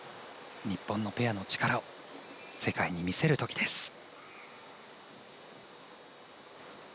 日本のペアの力を世界に見せるときです。